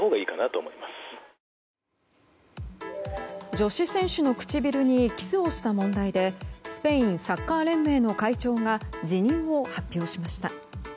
女子選手の唇にキスをした問題でスペインサッカー連盟の会長が辞任を発表しました。